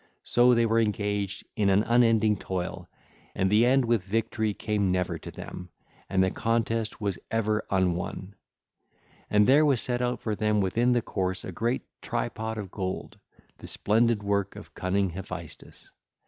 So they were engaged in an unending toil, and the end with victory came never to them, and the contest was ever unwon. And there was set out for them within the course a great tripod of gold, the splendid work of cunning Hephaestus. (ll.